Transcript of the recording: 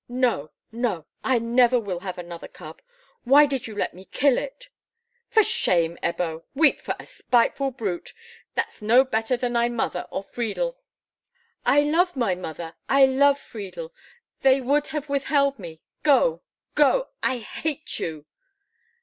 "No, no; I never will have another cub! Why did you let me kill it?" "For shame, Ebbo! Weep for a spiteful brute! That's no better than thy mother or Friedel." "I love my mother! I love Friedel! They would have withheld me. Go, go; I hate you!"